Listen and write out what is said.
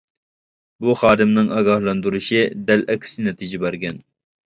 بۇ خادىمنىڭ ئاگاھلاندۇرۇشى دەل ئەكسىچە نەتىجە بەرگەن.